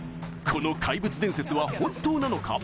この怪物伝説は本当なのか？